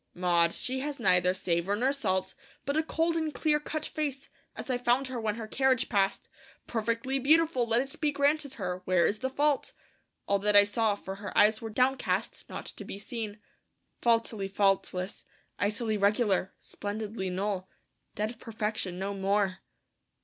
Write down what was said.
... Maud, she has neither savour nor salt, But a cold and clear cut face, as I found when her carriage passed, Perfectly beautiful: let it be granted her: where is the fault? All that I saw (for her eyes were downcast, not to be seen) Faultily faultless, icily regular, splendidly null, Dead perfection, no more.